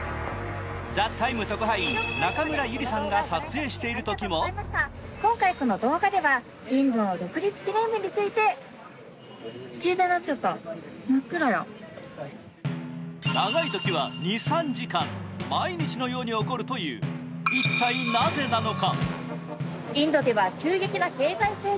ＴＨＥＴＩＭＥ，特派員・中村ゆりさんが撮影しているときも今回のこの動画ではインドの独立問題について長いときは２３時間毎日のように起こるという一体なぜなのか？